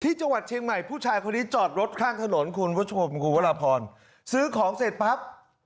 ที่จังหวัดเชียงใหม่ผู้ชายคนนี้จอดรถข้างถนนคุณผู้ชมคุณวรพรซื้อของเสร็จปั๊บ